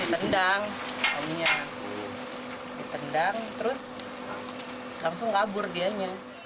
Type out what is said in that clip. ditendang ditendang terus langsung kabur dianya